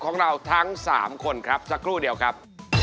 ของเราทั้ง๓คนครับสักครู่เดียวครับ